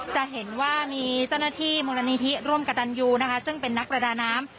จะเห็นว่ามีเจ้าหน้าที่มูลนิธิร่วมกับตันยูนะคะซึ่งเป็นนักประดาน้ำ